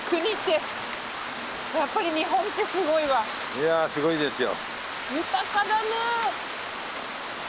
いやすごいですよ。